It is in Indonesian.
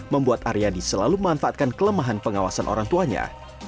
membuat aryadi selalu memanfaatkan kelemahan pengawasan orang tuanya